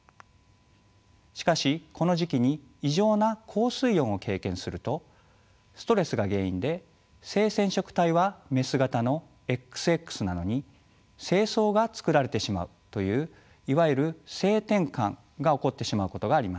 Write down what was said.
しかしこの時期に異常な高水温を経験するとストレスが原因で性染色体はメス型のＸＸなのに精巣が作られてしまうといういわゆる性転換が起こってしまうことがあります。